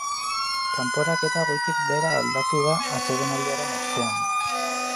Kanporaketa goitik behera aldatu da atsedenaldiaren ostean.